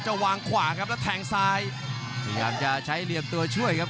วางขวาครับแล้วแทงซ้ายพยายามจะใช้เหลี่ยมตัวช่วยครับ